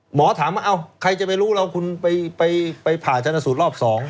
หมอถามว่าเอ้าใครจะไปรู้เราคุณไปผ่าชนสูตรรอบ๒